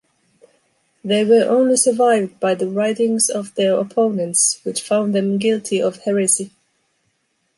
They were only survived by the writings of their opponents, which found them guilty of heresy.